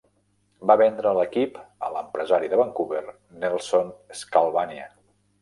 Va vendre l'equip a l'empresari de Vancouver Nelson Skalbania.